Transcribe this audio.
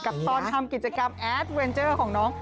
ตอนทำกิจกรรมแอดเวนเจอร์ของน้อง